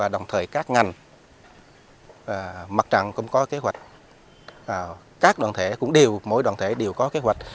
đồng thời các ngành mặt trận cũng có kế hoạch các đoàn thể cũng đều mỗi đoàn thể đều có kế hoạch